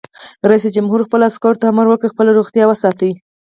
رئیس جمهور خپلو عسکرو ته امر وکړ؛ خپله روغتیا وساتئ!